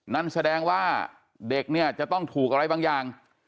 นั่นแสดงว่าเด็กเนี่ยจะต้องถูกอะไรบางอย่าง